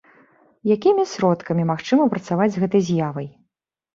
Якімі сродкамі магчыма працаваць з гэтай з'явай?